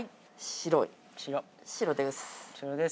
白です。